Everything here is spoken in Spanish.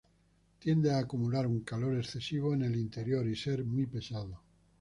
Tiende a acumular un calor excesivo en el interior y ser muy pesado.